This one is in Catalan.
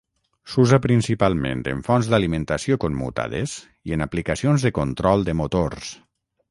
S'usa principalment en fonts d'alimentació commutades i en aplicacions de control de motors.